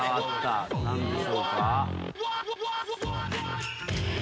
何でしょうか？